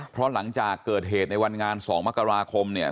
เพราะหลังจากเกิดเหตุในวันงาน๒มกราคมเนี่ย